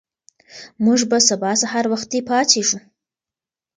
موږ به سبا سهار وختي پاڅېږو.